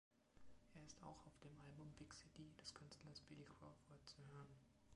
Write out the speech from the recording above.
Er ist auch auf dem Album „Big City“ des Künstlers Billy Crawford zu hören.